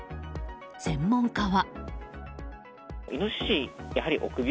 専門家は。